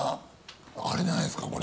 あれじゃないですか。